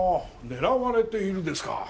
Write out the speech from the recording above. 「狙われている」ですか。